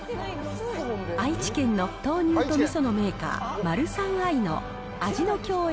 愛知県の豆乳とみそのメーカー、マルサンアイの味の饗宴